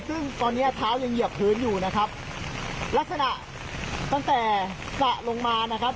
ซึ่งตอนเนี้ยเท้ายังเหยียบพื้นอยู่นะครับลักษณะตั้งแต่สระลงมานะครับ